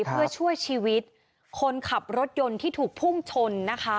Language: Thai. เพื่อช่วยชีวิตคนขับรถยนต์ที่ถูกพุ่งชนนะคะ